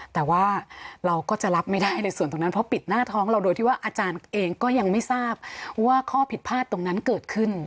แต่ว่าเราก็จะรับไม่ได้ในส่วนตรงนั้นเพราะปิดหน้าท้องเราโดยที่ว่าอาจารย์เองก็ยังไม่ทราบว่าข้อผิดพลาดตรงนั้นเกิดขึ้น